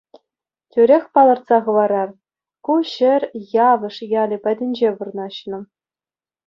Тӳрех палӑртса хӑварар, ку ҫӗр Явӑш ялӗ патӗнче вырнаҫнӑ.